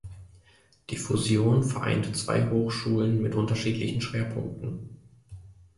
Die Fusion vereinte zwei Hochschulen mit unterschiedlichen Schwerpunkten.